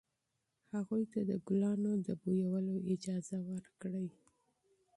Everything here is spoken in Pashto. هغوی ته د ګلانو د بویولو اجازه ورکړئ.